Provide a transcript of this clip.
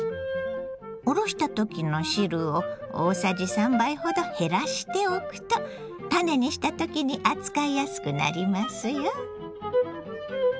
おろした時の汁を大さじ３杯ほど減らしておくとたねにした時に扱いやすくなりますよ。